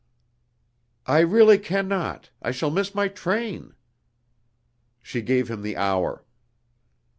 "I really can not, I shall miss my train." She gave him the hour.